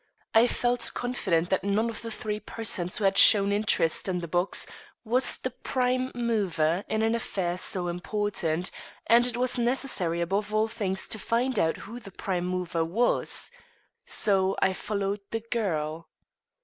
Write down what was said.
I felt confident that none of the three persons who had shown interest in the box was the prime mover in an affair so important; and it was necessary above all things to find out who the prime mover was. So I followed the girl.